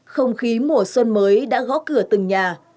không khí mùa xuân mới đã gõ cửa từng nhà